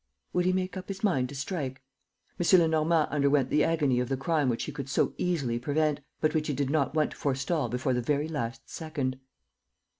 Would he make up his mind to strike? M. Lenormand underwent the agony of the crime which he could so easily prevent, but which he did not want to forestall before the very last second.